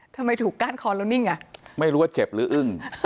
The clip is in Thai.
ทำไมถูกก้านคอแล้วนิ่งอ่ะไม่รู้ว่าเจ็บหรืออึ้ง